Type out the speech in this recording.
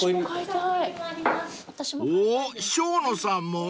［おお生野さんも！